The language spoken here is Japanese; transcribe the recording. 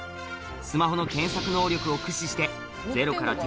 スマホの検索能力を駆使してよくあの。